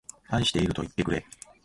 愛しているといってくれ